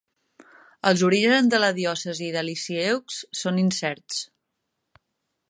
Els orígens de la diòcesi de Lisieux són incerts.